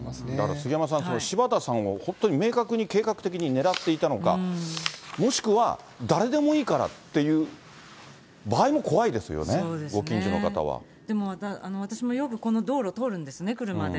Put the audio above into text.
杉山さん、柴田さんを本当に明確に計画的に狙っていたのか、もしくは誰でもいいからっていう場合も怖いですよね、でも私もよくこの道路、通るんですね、車で。